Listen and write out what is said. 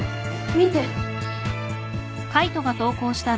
見て。